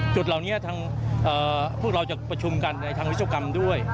จุดเหล่านี้ทางพวกเราจะประชุมกันในทางวิศวกรรมด้วย